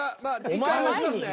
１回離しますね。